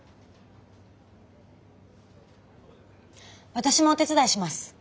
私もお手伝いします。